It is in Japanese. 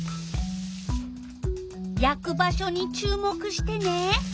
やく場所に注目してね！